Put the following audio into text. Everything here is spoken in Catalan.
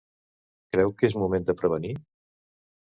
Creu que és moment de prevenir?